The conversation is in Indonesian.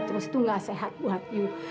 terus itu gak sehat buat yuk